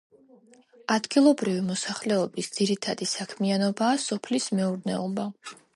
ადგილობრივი მოსახლეობის ძირითადი საქმიანობაა სოფლის მეურნეობა.